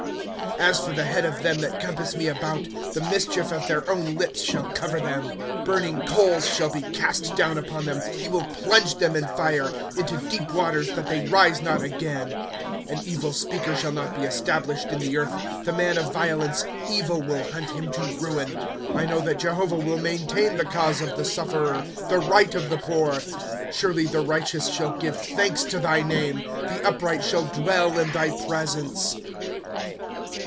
" As for the head of them that compass me about, The mischief of their own lips shall cover Ihem. V. 33, 3d mcmbci'. Idul way.] Leading my heart from God, ita s^upremo ol'ject of lovo. , Google PSALMS. If" Burning coals shall be cast down upon them ; He will plunge them in lire ; into deep waters, that they rise not again. " An evil speaker shall not be established in the earth ; The man of violence, evil will hunt him to ruin. '^ r know that Jehovah wUi maintain the cause of the sufferer, The right of the poor. ^^ Surely the righteous shall give thanks to thy name ; The upright shall dwell in thy presence.